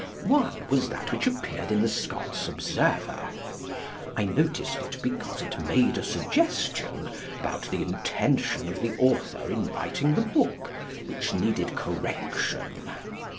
One was that which appeared in the Scots Observer. I noticed it because it made a suggestion, about the intention of the author in writing the book, which needed correction.